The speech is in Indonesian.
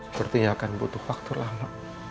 sepertinya akan butuh faktor lama